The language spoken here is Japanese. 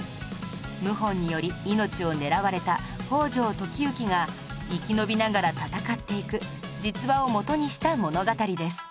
謀反により命を狙われた北条時行が生き延びながら戦っていく実話をもとにした物語です